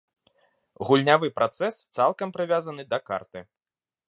Гульнявы працэс цалкам прывязаны да карты.